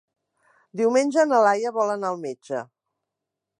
Diumenge na Laia vol anar al metge.